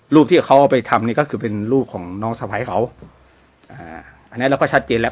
รูปที่เขาเอาไปทำนี่ก็คือเป็นลูกของน้องสะพ้ายเขาอ่าอันนี้เราก็ชัดเจนแล้ว